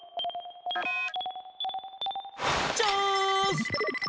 チャーンス！